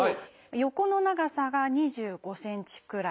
横の長さが２５ｃｍくらい。